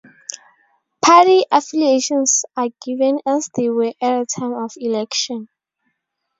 Party affiliations are given as they were at the time of election.